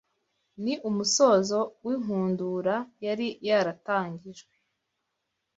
ni umusozo w’inkundura yari yaratangijwe